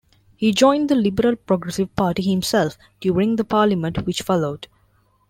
He joined the Liberal-Progressive Party himself during the parliament which followed.